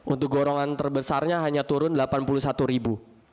untuk golongan terbesarnya hanya turun delapan puluh satu ribu